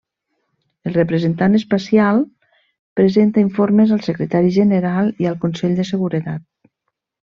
El representant especial presenta informes al Secretari General i al Consell de Seguretat.